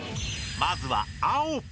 まずは青！